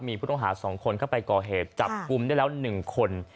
มีผู้ต้องหาสองคนเข้าไปก่อเหตุจับกุมได้แล้วหนึ่งคน